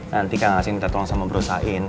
nanti kang aceng minta tolong sama berusain